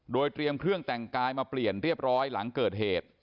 โดยเตรียมเครื่องแต่งกายมาเปลี่ยนเรียบร้อยหลังเกิดเหตุ